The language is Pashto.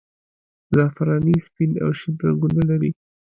زعفراني سپین او شین رنګونه لري.